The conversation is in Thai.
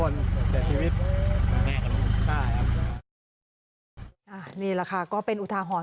นี่แหละค่ะก็เป็นอุทาหรณ์